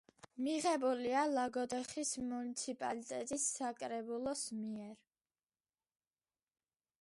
მიღებულია ლაგოდეხის მუნიციპალიტეტის საკრებულოს მიერ.